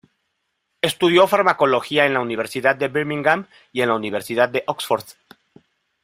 Estudió farmacología en la Universidad de Birmingham y en la Universidad de Oxford.